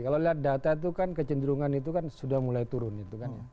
kalau lihat data itu kan kecenderungan itu kan sudah mulai turun itu kan ya